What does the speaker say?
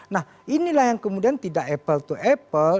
nah inilah yang kemudian tidak apple to apple